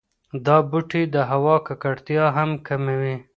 دا بوټي د هوا ککړتیا هم کموي.